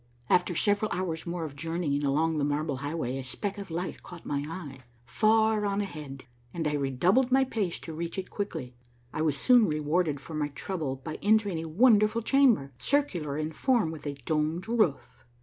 After several hours more of journeying along the Marble Highway a speck of light caught my eye, far on ahead, and I redoubled my pace to reach it quickly. I was soon rewarded for my trouble by entering a wonderful chamber, circular in form, with a domed roof.